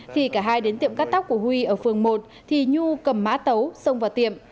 khi cả hai đến tiệm cắt tóc của huy ở phường một thì nhu cầm mã tấu xông vào tiệm